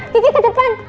kiki ke depan ya